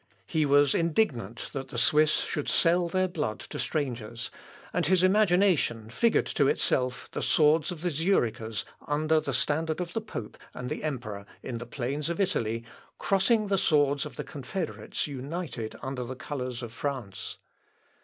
He was indignant that the Swiss should sell their blood to strangers, and his imagination figured to itself the swords of the Zurichers under the standard of the pope and the emperor in the plains of Italy crossing the swords of the confederates united under the colours of France.